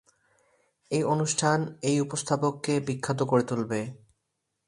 এই অনুষ্ঠান এই উপস্থাপককে বিখ্যাত করে তুলবে।